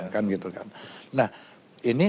kan gitu kan nah ini